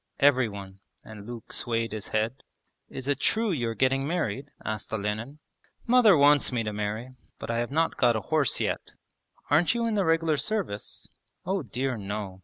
'Every one...' and Luke swayed his head. 'Is it true you are getting married?' asked Olenin. 'Mother wants me to marry. But I have not got a horse yet.' 'Aren't you in the regular service?' 'Oh dear no!